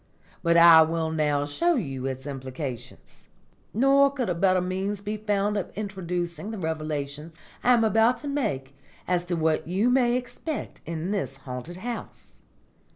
But I will now show you its implications. Nor could a better means be found of introducing the revelations I am about to make as to what you may expect in this haunted house.